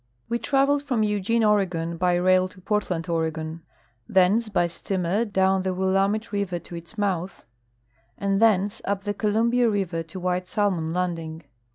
M^e traveled from Eugene, Oregon, by rail to Portland, Oregon thence b}'' steamer down the M^illamette river to its mouth, and thence up the Columbia river to M^hite Salmon landing.